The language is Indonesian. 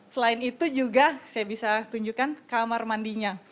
selain itu juga saya bisa tunjukkan kamar mandinya